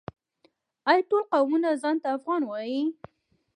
آیا ټول قومونه ځان ته افغان وايي؟